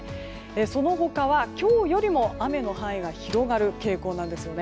その他は、今日よりも雨の範囲が広がる傾向です。